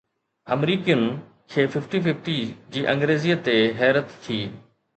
آمريڪين کي fifty fifty جي انگريزيءَ تي حيرت ٿي